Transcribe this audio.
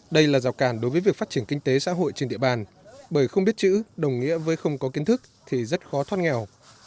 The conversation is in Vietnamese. đây là rào cản đối với việc phát triển kinh tế xã hội trên địa bàn bởi không biết chữ đồng nghĩa với không có kiến thức thì rất khó thoát nghèo